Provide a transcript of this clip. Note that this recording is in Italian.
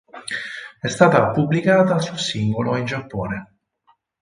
È stata pubblicata su singolo in Giappone.